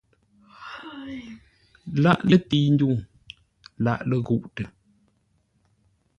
Lâʼ lətəi-ndwuŋ, lâʼ ləghûʼtə.